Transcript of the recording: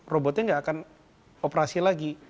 robotnya nggak akan operasi lagi